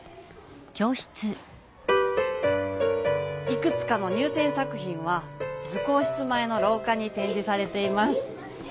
いくつかの入せん作品は図工室前のろうかにてんじされています。